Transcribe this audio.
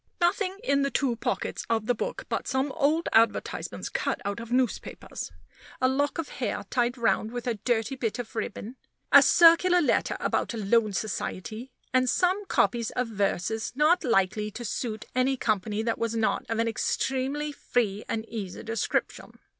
Nothing in the two pockets of the book but some old advertisements cut out of newspapers, a lock of hair tied round with a dirty bit of ribbon, a circular letter about a loan society, and some copies of verses not likely to suit any company that was not of an extremely free and easy description.